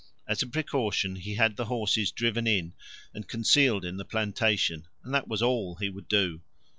As a precaution he had the horses driven in and concealed in the plantation, and that was all he would do.